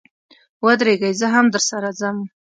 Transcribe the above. و درېږئ، زه هم درسره ځم.